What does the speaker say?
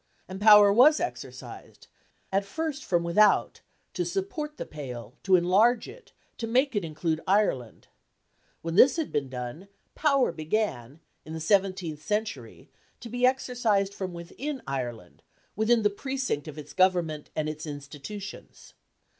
And power was exercised, at first from without, to support the Pale, to enlarge it, to make it include Ireland. When this had been done, power began, in the seventeenth century, to be exercised from within Ireland, within the precinct of its government and its institutions.